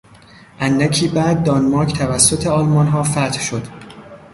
اندکی بعد دانمارک توسط آلمانها فتح شد.